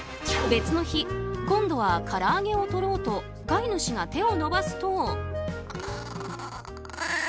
別の日、今度はから揚げを取ろうと飼い主が手を伸ばすと。